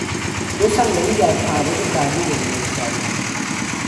دو صندلی در پرواز بعدی رزرو کردهام.